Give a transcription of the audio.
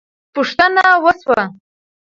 پوښتنه وسوه.